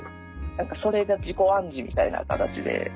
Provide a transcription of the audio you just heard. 何かそれが自己暗示みたいな形で。